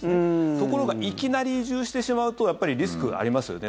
ところがいきなり移住してしまうとやっぱりリスクがありますよね。